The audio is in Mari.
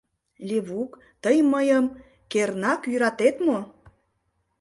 Левук, тый мыйым кернак йӧратет мо?